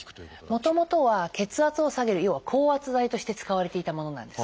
もともとは血圧を下げる要は降圧剤として使われていたものなんです。